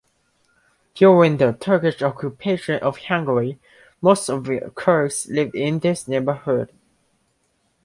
During the Turkish occupation of Hungary, most of the Turks lived in this neighbourhood.